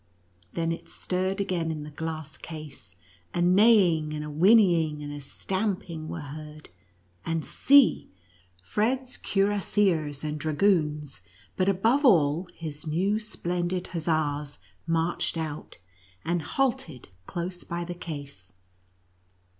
Then it stirred again in .the glass case — a neighing, and a whinnying, and a stamping were heard, and see ! Fred's cuirassiers and dragoons, but above all, his new splendid hussars marched out, and halted close by the case.